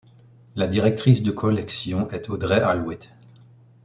La directrice de collection est Audrey Alwett.